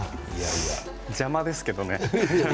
邪魔ですけどね。